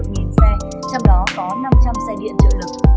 trong đó có năm trăm linh xe điện chở lực